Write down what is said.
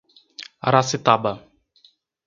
Aracitaba